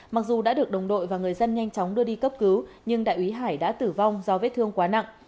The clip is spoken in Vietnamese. mặc dù đã được đồng đội và người dân nhanh chóng đưa đi cấp cứu nhưng đại úy hải đã tử vong do vết thương quá nặng